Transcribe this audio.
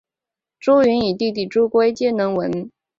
朱筠与弟朱圭皆能文。